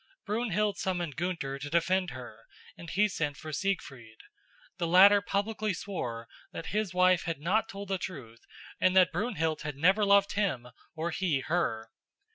Brunhild summoned Gunther to defend her, and he sent for Siegfried. The latter publicly swore that his wife had not told the truth and that Brunhild had never loved him or he her.